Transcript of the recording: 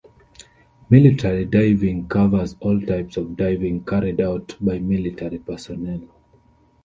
Military diving covers all types of diving carried out by military personnel.